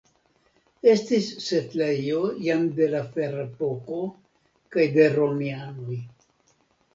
Estis setlejo jam de la Ferepoko kaj de romianoj.